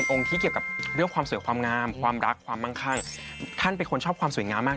องค์ที่เกี่ยวกับเรื่องความสวยความงามความรักความมั่งคั่งท่านเป็นคนชอบความสวยงามมาก